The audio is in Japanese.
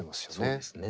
そうですね。